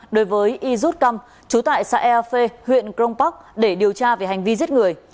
đối với yut căm chú tại xã ea phê huyện crong park để điều tra về hành vi giết người